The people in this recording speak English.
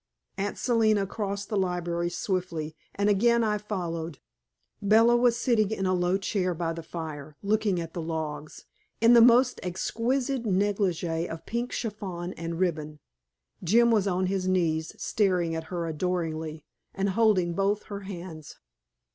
Aunt Selina crossed the library swiftly, and again I followed. Bella was sitting in a low chair by the fire, looking at the logs, in the most exquisite negligee of pink chiffon and ribbon. Jim was on his knees, staring at her adoringly, and holding both her hands.